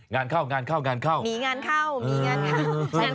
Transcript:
งานเข้างานเข้างานเข้ามีงานเข้ามีงานเข้า